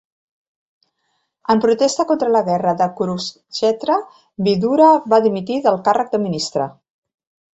En protesta contra la guerra de Kurukshetra, Vidura va dimitir del càrrec de ministre.